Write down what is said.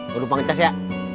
duduk panggil kas ya